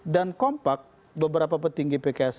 dan kompak beberapa petinggi pks